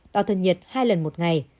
đo thân nhiệt hai lần một ngày